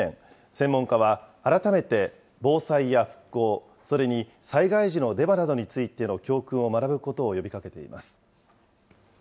専門家は改めて、防災や復興、それに災害時のデマなどについての教訓を学ぶことを呼びかけています。